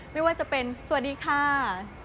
ไม่ว่าจะเป็นสวัสดีค่ะ